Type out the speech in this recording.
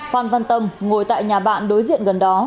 phan văn tâm ngồi tại nhà bạn đối diện gần đó